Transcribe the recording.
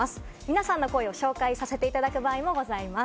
皆さんの声を紹介させていただく場合もございます。